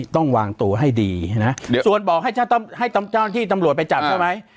ต้องวางตัวให้ดีนะเดี๋ยวส่วนบอกให้เจ้าตำให้เจ้าหน้าที่ตำลวดไปจับใช่ไหม